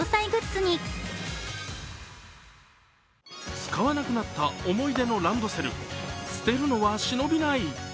使わなくなった思い出のランドセル、捨てるのは忍びない。